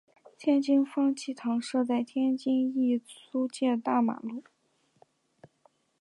天津方济堂设在天津意租界大马路。